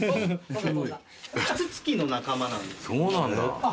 そうなんだ。